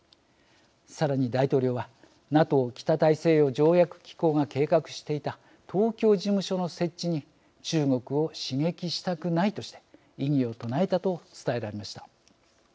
さらに大統領はＮＡＴＯ＝北大西洋条約機構が計画していた東京事務所の設置に中国を刺激したくないとして異議を唱えたと伝えられました。